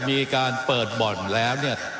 ว่าการกระทรวงบาทไทยนะครับ